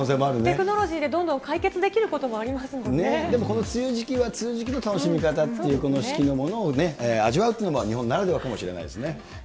テクノロジーでどんどん解決でもこの梅雨時期は梅雨時期の楽しみ方っていう、時期のものを味わうというのも日本ならではかもしれないですね。